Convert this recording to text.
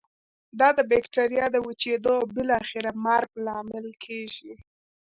دا د بکټریا د وچیدو او بالاخره مرګ لامل کیږي.